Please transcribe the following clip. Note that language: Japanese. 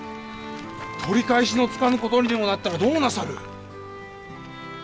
取り返しのつかぬ事にでもなったらどうなさる！